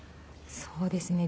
そうですね。